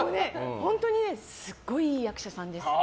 本当にねすごい、いい役者さんです。